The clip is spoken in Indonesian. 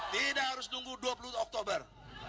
tidak harus nunggu dua puluh oktober